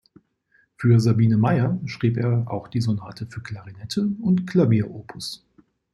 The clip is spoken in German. Für Sabine Meyer schrieb er auch die Sonate für Klarinette und Klavier op.